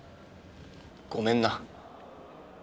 ごめんな。